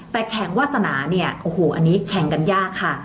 แต่แข่งวาสนาเนี่ยโอ้โหอันนี้แข่งกันยากค่ะ